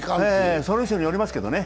その人によりますけどね。